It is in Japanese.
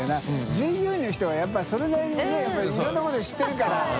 従業員の人はやっぱり修譴覆蠅砲諭笋辰僂いろんなこと知ってるから。